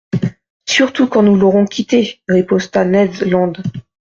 —Surtout quand nous l'aurons quitté !» riposta Ned Land.